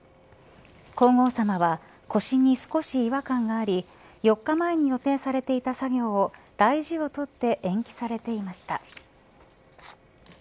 皇后さまは腰に少し違和感があり４日前に予定されていた作業を大事をとって延期されていました。